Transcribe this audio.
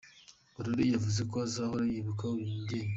Aurore yavuze ko azahora yibuka uyu mubyeyi.